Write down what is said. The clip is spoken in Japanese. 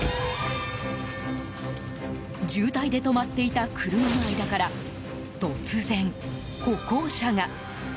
渋滞で止まっていた車の間から突然、歩行者が。